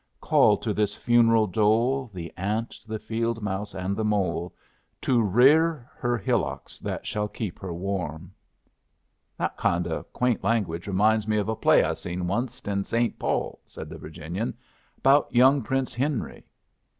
Call to this funeral dole The ant, the field mouse, and the mole To rear her hillocks that shall keep her warm. "That kind o' quaint language reminds me of a play I seen onced in Saynt Paul," said the Virginian. "About young Prince Henry."